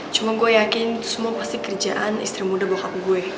cuma gue yakin itu semua pasti kerjaan istri muda bokap gue